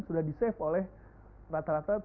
sudah di save oleh rata rata